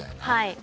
はい。